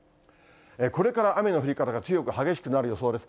これから雨の降り方が強く激しくなる予想です。